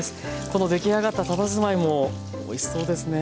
この出来上がったたたずまいもおいしそうですね。